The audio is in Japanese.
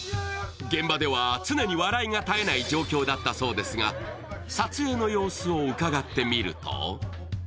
現場では常に笑いが絶えない状況だったそうですが、撮影の様子を伺ってみると？